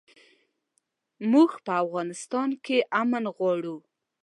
موږ په افغانستان کښې امن غواړو